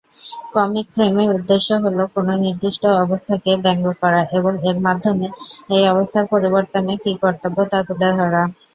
Comic ফ্রেমের উদ্দেশ্য হল কোন নির্দিষ্ট অবস্থাকে ব্যঙ্গ করা এবং এর মাধ্যমে এই অবস্থার পরিবর্তনে কি কর্তব্য তা তুলে ধরা।